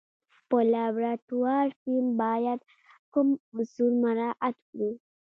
په لابراتوار کې باید کوم اصول مراعات کړو.